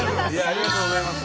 ありがとうございます。